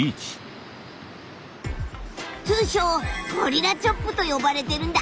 通称ゴリラチョップと呼ばれているんだ。